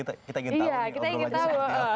iya kita ingin tahu